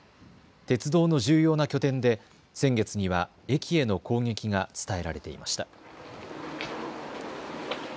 鉄道の重要な拠点で先月には駅への攻撃が伝えられていました。